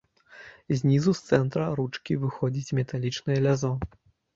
Знізу з цэнтра ручкі выходзіць металічнае лязо.